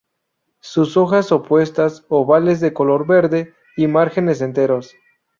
Sus hojas, opuestas, ovales de color verde y márgenes enteros.